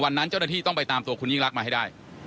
เจ้าหน้าที่ต้องไปตามตัวคุณยิ่งรักมาให้ได้